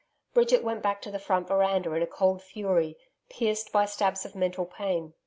Bridget went back to the front veranda in a cold fury, pierced by stabs of mental pain.